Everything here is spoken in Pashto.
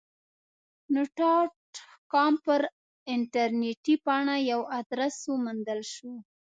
نن ډاټ کام پر انټرنیټي پاڼه یو ادرس وموندل شو.